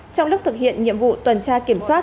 trong lúc thực hiện nhiệm vụ tuần tra kiểm soát